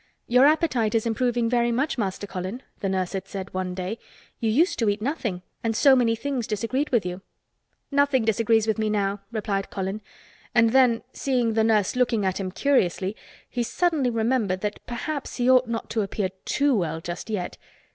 "Your appetite. Is improving very much, Master Colin," the nurse had said one day. "You used to eat nothing, and so many things disagreed with you." "Nothing disagrees with me now" replied Colin, and then seeing the nurse looking at him curiously he suddenly remembered that perhaps he ought not to appear too well just yet.